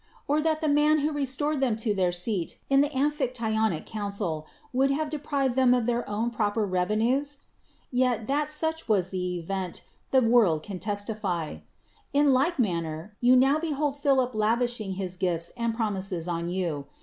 or that the man Avho restored them to their seat in the amphictyonie council would have deprived them of their own proper revenues ? yet, that such was the event, the world can testify. In like manner, you now behold Philip lavishing his gifts and promises on you.